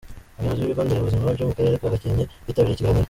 Abayobozi b’ibigo nderabuzima byo mu karere ka Gakenke bitabiriye ikiganiro.